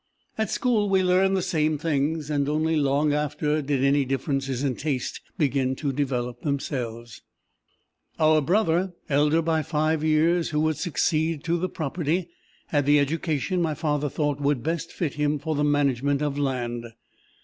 "At school we learned the same things, and only long after did any differences in taste begin to develop themselves. "Our brother, elder by five years, who would succeed to the property, had the education my father thought would best fit him for the management of land.